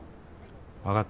分かった。